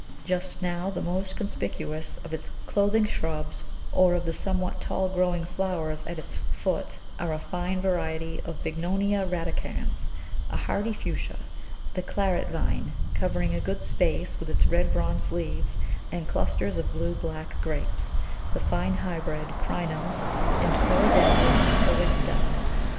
Just now the most conspicuous of its clothing shrubs or of the somewhat tall growing flowers at its foot are a fine variety of Bignonia radicans, a hardy Fuchsia, the Claret Vine covering a good space, with its red bronze leaves and clusters of blue black grapes, the fine hybrid Crinums and Clerodendron foetidum.